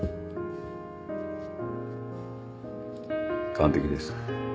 完璧です。